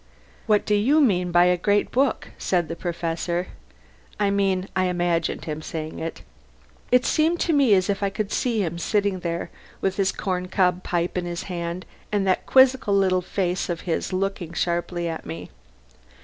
"What do you mean by a great book?" said the Professor I mean, I imagined him saying it. It seemed to me as if I could see him sitting there, with his corncob pipe in his hand and that quizzical little face of his looking sharply at me.